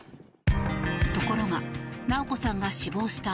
ところが直子さんが死亡した